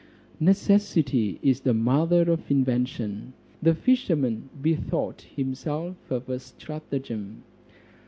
Necessity is the mother of invention. The fisherman bethought himself of a stratagem.